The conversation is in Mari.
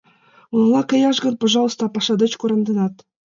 — Унала каяш гын, — пожалуйста, а паша деч кораҥденат.